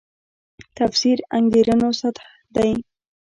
تفسیرو انګېرنو سطح دی.